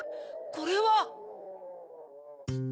これは。